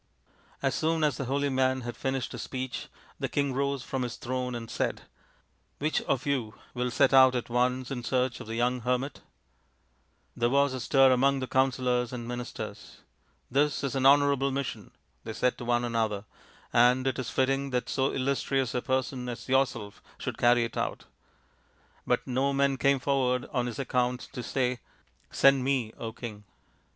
As soon as the holy man had finished his speech the king rose from his throne and said, " Which of you will set out at once in search of the young hermit ?" There was a stir among the counsellors and ministers. " This is an honourable mission," they said one to another, " and it is fitting that so illustrious a person as yourself should carry it out." But no man came forward on his own account to say, " Send me, King